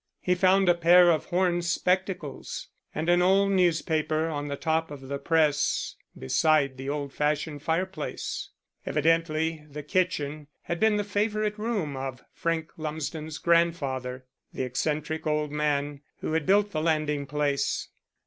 He found a pair of horn spectacles and an old newspaper on the top of the press beside the old fashioned fire place. Evidently the kitchen had been the favourite room of Frank Lumsden's grandfather the eccentric old man who had built the landing place.